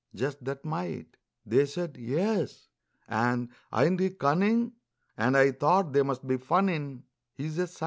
Just that mite!" They said, "Yes," and, "Ain't he cunnin'?" And I thought they must be funnin', He's a _sight!